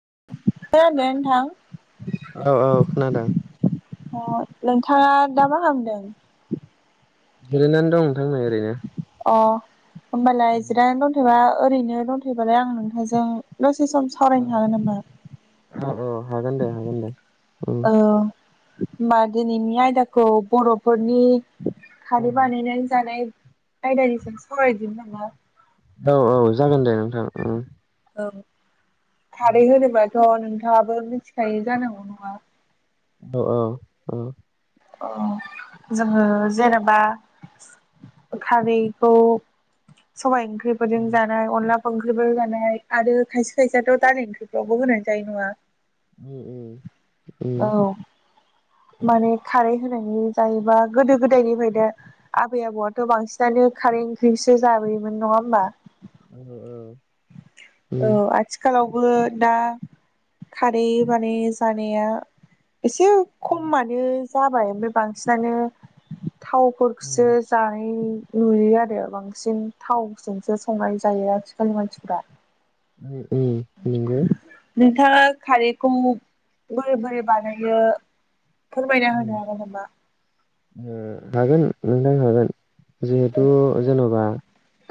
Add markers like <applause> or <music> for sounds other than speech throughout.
<unintelligible> औ औ खोनादों। अ नोंथाङा दा मा खालामदों? गेलेनानै दं नोंथां ओरैनो अ होमबालाय जिरायना दंथबा ओरैनो दंथयोबालाय आं नोंथांजों दसे दसे सम सावरायनो हागोन नामा? औ औ हागोन दे हागोन दे उम ओ होमबा दिनैनि आयदाखौ बर'फोरनि खारै औ बानायनानै जानाय आयदानि सायावदिनि नामा? औ औ जागोन दे नोंथां उम औ खारै होनोबाथ' नोंथाङाबो मिथिखायो जानांगौ नङा? अ अ अ ओ जोङो जेनेबा खारैखौ सबाइ ओंख्रिफोरजों उम जानाय अनला ओंख्रिबो जानाय आरो खायसे खायसेथ' दालि ओंख्रिफ्रावबो होनानै जायो नङा। उम उम उम माने खारै होनायनि जायोबा गोदो गोदायनिफ्रायनो आबै आबौआथ' बांसिनानो खारै ओंख्रिसो जाबोयोमोन नङा होमबा? औ औ उम औ आथिखालाव बो दा खारै बानाय जानाया एसे खमानो जाबाय ओमफ्राय बांसिनानो थावफोरखौसो उम जानाय नुयो आरो बांसिन थावजोंसो संनाय जायो आथिखालनि मानसिफोरा। उम नंगौ नोंथाङा। खारैखौ बोरै बोरै बानायो फोरमायना उम होनो हागोन नामा? ओ हागोन नोंथां हागोन। जिहेथु जेन'बा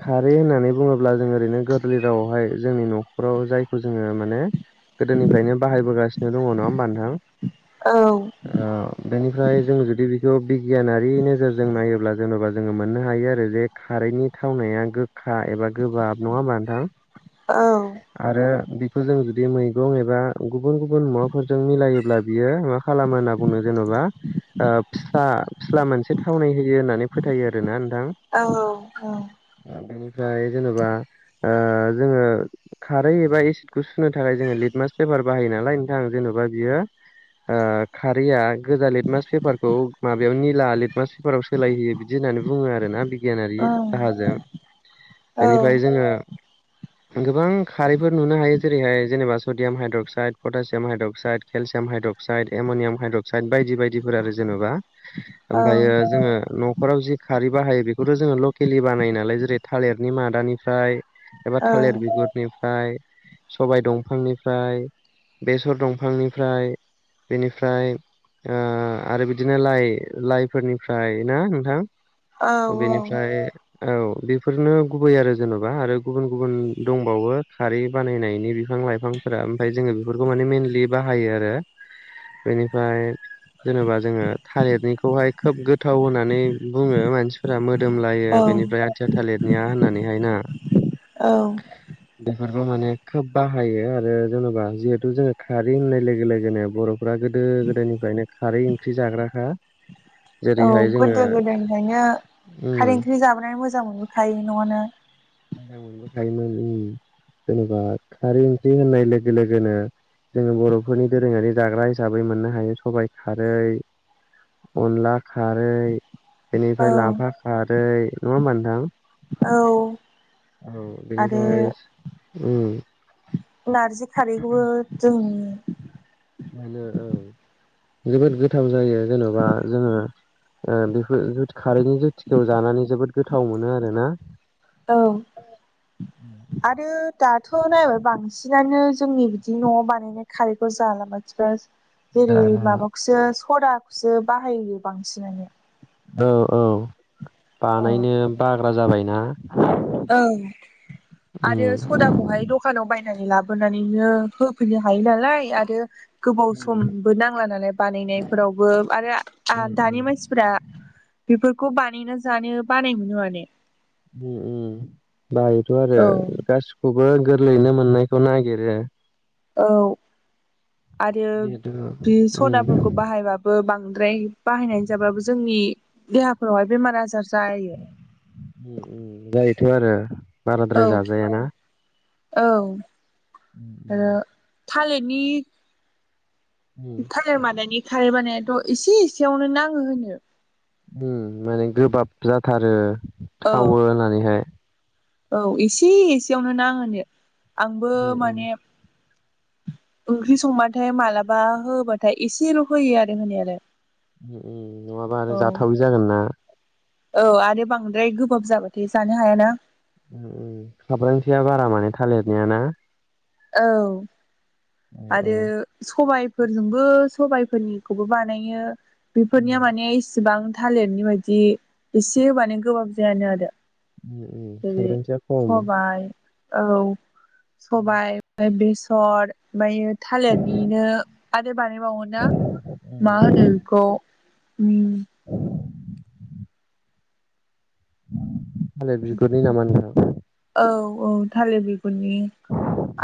खारै होननानै बुङोब्ला जों ओरैनो गोरलै रावावहाय जोंनि न'राव जायखौ जोङो माने गोदोनिफ्रायनो बाहायबोगासिनो दङ नङा होमबा नोंथां। औ ओ बेनिफ्राय जों जुदि बेखौ बिगियानारि नोजोरजों नायोब्ला जेनेबा जोङो मोननो हायो आरो जे खारैनि थावनाया गो खा एबा गोबाब नङा होमबा नोंथां औ आरो फोर जों जुदि मैगं एबा गुबुन गुबुन मुवाफोरजों मिलायोब्ला बियो मा खालामो ना बुंनो जेन'बा फिस्ला फिस्ला मोनसे थावनाय होयो होननानै फोथायो आरोना औ बेनिफ्राय जेनेबा ओ जोङो खारै एबा एसिडखौ सुनो थाखाय जोङो लिटमास पेपार बाहायो नालाय नोंथां जेन'बा बियो ओ खारैया गोजा लेटमास पेपारखौ माबायाव निला लेटमास पेपाराव सोलायहोयो बिदि होननानै बुङो आरोना बिगियानारि औ राहाजो औ बेनिफ्राय जोङो गोबां खारैफोर नुनो हायो जेरैहाय जेनेबा sodium hydroxide potassium hydroxide केलसि एमाइड्रक्साइड ammonium hydroxide बायदि बायदिफोर आरो जेनेबा औ ओमफ्रायो जोङो न'खराव जि खारै बाहायो बेखौथ' जोङो लकेलि बानाय नालाय जेरै थालिरनि मादानिफ्राय एबा थालिर बिगुदनि सबाय दंफांनिफ्राय बेसर दंफांनिफ्राय बेनिफ्राय ओमफ्राय ओ आरो बिदिनो लाइ लाइफोरनिफ्राय ना नोंथां? बेनिफ्राय औ बेफोरनो गुबै आरो जेन'बा आरो गुबुन गुबुन दंबावो खारै बानायनायनि बे बिफां लाइफांफोरा ओमफाय जोङो बेफोरखौ माने मइेनलि बाहायो आरो <inaudible> बेनिफ्राय जेनेबा जोङो थालिरनिखौहाय खोब गोथाव होननानै बुङो मानसिफोरा मो दोमलायो औ बेनिफ्राय आथिया थालिरनिया होननानैहायना औ बेफोरखौ माने खोब बाहायो आरो जेन'बा जिहेथु जोङो खारै होननाय लोगो लोगोनो बर' गोदो गोदायनिफ्रायनो खारै ओंख्रि जाग्राखा औ जेरैहाय जोङो गोदो गोदोनिफ्रायनो उम खारै ओंख्रि जाबोनानै मोजां मोनबोखायो न'आनो मोनबोखायोमोन जेनेबा खारै ओंख्रि होननाय लोगो लोगोनो जोङो बर'फोरनि दोरोङारि जाग्रा हिसाबै मोननो हायो सबाइ खारै अनला खारै औ बेनिफ्राय लाफा खारै नङा होमबा नोंथां? औ औ आरो बेनिफ्राय उम नारजि खारैखौबो जों बेनो औ जोबोद गोथाव जायो जेन'बा जोङो बेफोर खारैनि जुथिखौ जानानै जोबोद गोथाव मोनो आरोना औ आरो दाथ' नायबाय बां सिनानो जोंनि बिदि न'आव बानायनाय खारैखौ जाला मानसिफ्रा जेरै जाला माबाखौसो सदाखौसो बाहायो बांसिनानो औ औ औ बानायनो बाग्रा जाबायना ओं आरो उम सदाखौहाय दखानाव बाय नानै लाबोनानैनो होफैनो हायो नालाय आरो गोबाव समबो नांला नालाय बानायनायफोरावबो आरो उम दानि मानसिफोरा बेफोरखौ बानायना जानो बानाय मोनो माने उम उम बायोथ' आरो औ गासैखौ बो गोरलैयैनो मोननायखौ नागिरो औ आरो जिहेथु बे उम सनाफोरखौ उम बाहायबाबो बां द्राय बाहायनानै जाबाबबो जोंनि देहाफोरावहाय बेमार आजार जायो जायोथ' आरो औ बाराद्राय जाजायाना? औ उम आरो उम थालिरनि उम, थालिर मादानि खारै बानायाथ' एसे एसेयावनो नाङो होनो। उम माने गोबाब जाथारो औ थावो होननानैहाय। औ एसे एसेयावनो ना होनो आंबो उम उम माने। ओंख्रि संबाथाय मालाबा होबाथाय एसेल' होयो आरो होनाय आरो नङाबा आरो जाथावै जागोन ना? औ आरो बांद्राय गोबाब जाबाथाय जानो हायाना? साब्रांथिया बारा माने थालिरनाय ना। औ औ औ आरो सबाय फोरजोंबो सबायफोरनिखौबो बानायो उम बेफोरनिया माने इसिबां थालिरनि बायदि एसे मानो गोबाब जायानो आरो। उम उम जेरै खाब्रांथिया खम सबाइ औ सबाइ ओमफ्राय बेसर ओमफ्राय थालिरनिनो। मोनसे बानायबावो ना मा उम होनो बेखौ। थालिर बिगुरनि नामा नोंथां। औ औ थालिर बिगुरनि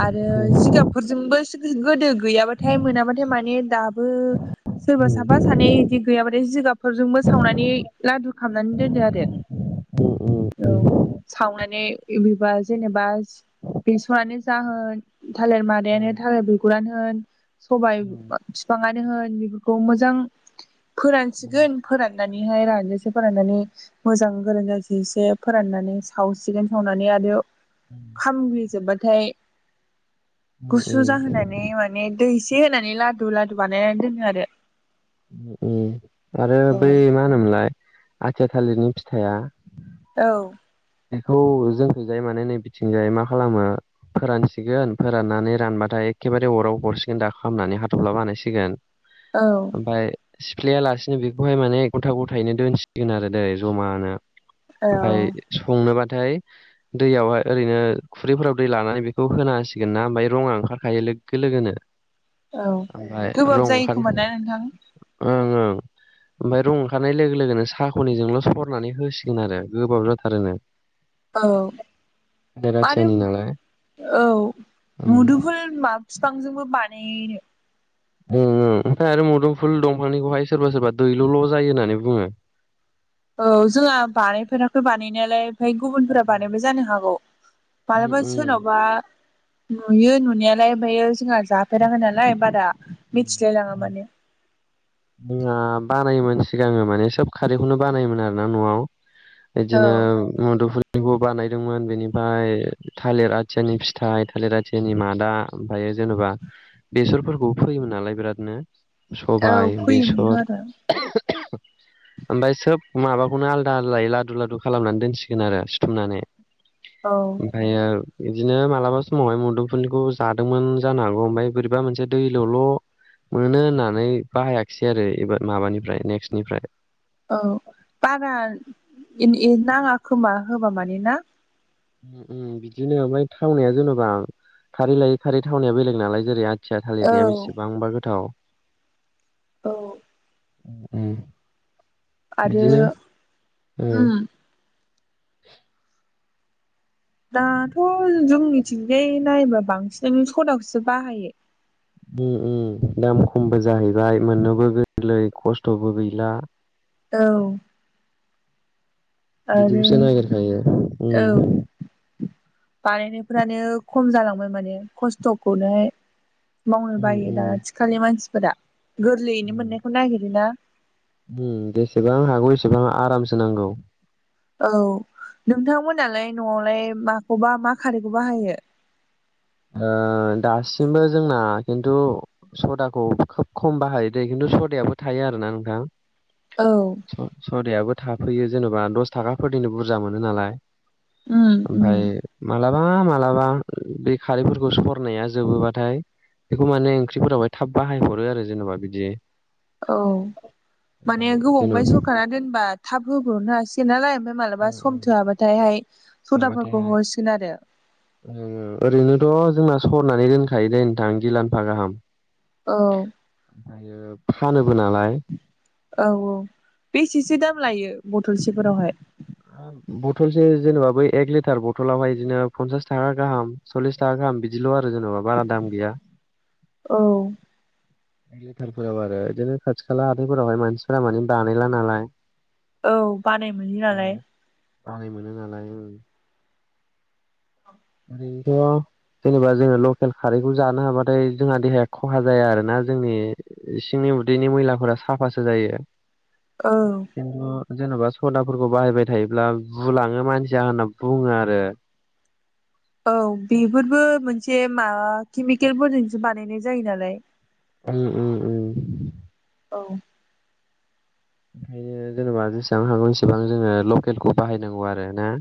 आरो उम जिगाबफोरजोंबो गोदो गैयाबाथाय मोनाबाथाय माने दाबो सोरबा उम। साफा सानै बिदि गैयाबाथाय जिगाबफोरजोंबो। सावनानै लादु खालामनानै दोनो आरो औ साव नानै <unintelligible> बा जेनेबा बेसरानो जाहोन थालिर मादायानो थालिर बिगुरानो होन सबाय बिफाङानो होन मोजां फोरानसिगोन फोराननानै। हाय रानजासे फोराननानै मोजां गोरों जास एसे फोराननानै सावसिगोन। मावनानै आरो खामग्लिजोबबाथाय। गुसु जाहोनानै माने दै एसे होनानै लादु लादु बानायनानै दोनो आरो। आरो बै मा होनोमोनलाय आथिया थालिरनि फिथाइया। औ। बेखौ जोंनिजाय माने नै बिथिंजाय मा खालामो। फोरानसिगोन फोराननानै रानबाथाय एखेबारे अराव हरसिगोन दाख खालामनानै हाथ'ला बानायसिगोन। औ ओमफाय सिफ्लेया लासिनो बेखौहाय माने गथा गथायैनो दोनसिगोन आरो दै जमानो। औ। ओमफ्राय संनोबाथाय दैयावहाय ओरैनो खुरैफोराव दै लानानै बेखौ होना होसिगोन ना ओमफ्राय रङा। ओंखारखायो लोगो लोगोनो औ ओमफ्राय गोबाब रं जायो ओंखार खोमा ना नोंथां ओं ओं ओमफ्राय रं ओंखारनाय लोगो लोगोनो साहाख'निजोंल' सरनानै होसिगोन आरो गोबाव जा रोनो औ आरो राथियानि नालाय औ उम मुदुफुल मा बिफांजोंबो बानायोनो। ओम ओमफ्राय आरो मुदोमफुल दंफांनिखौहाय सोरबा सोरबा दैल'ल' जायो होननानै बुङो। औ जोंहा बानायफेराखै बानायनायालाय ओमफ्राय गुबुनफोरा उम बानायबो जानो हागौ मालाबा उम सोरनावबा नुयो नुनायालाय ओमफ्रायो जोंहा जाफेराखै नालाय बारा <inaudible> मिथिलाय लाङा माने बानायोमोन सिगाङो माने सोब खारैखौनो बानायोमोन आर ना न'आव औ बिदिनो मुदुफुल। बेखौ बानायदोंमोन बेनिफ्राय थालिर आथियानि फिथाइ थालिर आथियानि मादा ओमफ्राय। जेनेबा बेसरफोरखौ फैयोमोन नालाय बिरादनो औ सबाइ फैयोमोनथ' बेसर आरो <inaudible> ओमफाय सोब माबाखौनो आलदा आलदायै लादु लादु खालामनानै दोनसिगोन आरो सिथुमनानै औ आमफायो बिदिनो मालाबा समावहाय मुदोमफुनिखौ जादोंमोन जानो हागौ ओमफ्राय बोरैबा मोनसे दै लल' मोनो होननानै बाहायाखिसै आरो एबार माबानिफ्राय नेक्स्टनिफ्राय औ बारा नाङा खोमा होबा माने ना बिदिनो ओमफ्राय थावनाया जेन'बा खारै लायै खारै थावनाया बेलेग नालाय जेरै फिथिया औ थालिरनाया बेसेबांबा गोथाव औ ओम आरो बिदिनो औ उम <inaudible> दाथ' जोंनिथिंजाय नायोबा बांसिनानो सदाखौसो बाहायो। उम दाम खमबो जाहैबाय मोननोबो गोरलै खस्थ'बो गैला औ आरो बिदिखौसो नागिरखायो औ उम बानायनायफोरानो खम जालांबाय माने खस्थ'खौनो मावनो उम बायो दा उम आथिखालनि मानसिफोरा गोरलैयैनो उम मोननायखौ नागिरोना जेसेबां हागौ एसेबां आरामसो नांगौ। औ नोंथांमोनालाय न'आवलाय माखौबा मा खारैखौ बाहायो। दासिमबो जोंना खिन्थु सदाखौ खोब खम बाहायो दे खिन्थु सदाबो थायो आरो ना नोंथां। औ स- सदायाबो थाफैयो जेनेबा दस थाखाफोरनिनो बुरजा मोनो नालाय उम उम ओमफ्राय मालाबा मालाबा खारैफोरखौ सरनाया जोबोबाथाय। बेखौ माने ओंख्रिफोरावहाय थाब बाहायहरो आरो जेनेबा बिदि। औ माने ओमफ्राय जेन'बा गोबावाय सरखारा दोनबा थाब होब्रबनो हासिगोन नालाय। ओमफ्राय मालाबा उम, सम उम, थोआबाथायहाय सदाफोरखौ हरसिगोन आरो। ओम ओरैनोथ' जोंना सरनानै दोनखायो दे नोंथां गिलाम्फा गाहाम। औ। फानोब औ औ बेसेसो दाम लायो बथलसेफोरावहाय। बथलसो जेनेबा बै एक लिटार बथलावहाय बिदिनो फनसास थाखा गाहाम सल्लिस थाखा गाहाम बिदिल'। आरो जेनेबा बारा दाम गैया। औ। लिटारफोराव आरो इदिनो खाथि खाला हाथायफोरावहाय मानसिफोरा माने बानायला नालाय। औ बानाय मोनि नालाय। बानाय मोनो नालाय ओं। गैया। जेनेबा जोङो लकेल खारैखौ जानो हाबाथाय जोंहा देहाया खहा जाया आरोना जोंनि इसिंनि। उदैनि मैलाफोरा साफासो जायो। औ। खिन्थु जेन'बा सदाफोरखौ बाहायबाय थायोब्ला बुलाङो मानसिया होनना बुङो आरो। औ बेफोरबो मोनसे माबा केमिकेलफोरजोंसो बानायनाय जायो नालाय। उम उम उम। औ। ओंखायनो जेनेबा जेसेबां हागौ एसिबां जोङो लकेलखौ बाहायनांगौ आरो ना।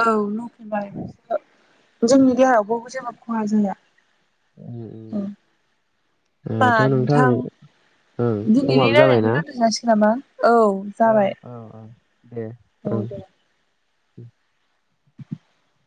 औ लकेल बाहायनायसो जोंनि देहायाव बावबो जेबो खहा जाया। उम उम होमबा ओ थ' नोंथां ओं दिनैनि समाबो रायलायनायखौ जाबायना। दोनथ' जासिगोन नामा औ औ जाबाय औ औ दे औ उम दे उम। <inaudible>